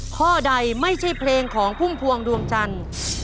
ข้อใดไม่ใช่เพลงของพุ่มพวงดวงจันทร์